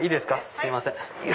すいません。